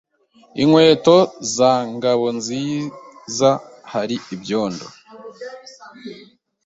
Inkweto za Ngabonzizahari ibyondo.